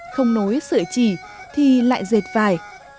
không nối sợi chỉ thì lại diệt vải